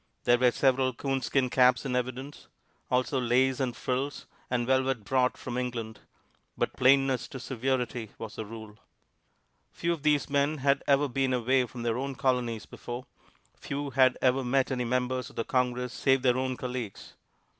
There were several coonskin caps in evidence; also lace and frills and velvet brought from England but plainness to severity was the rule. Few of these men had ever been away from their own Colonies before, few had ever met any members of the Congress save their own colleagues.